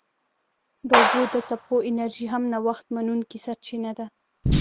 د اوبو د څپو انرژي هم نوښت منونکې سرچینه ده.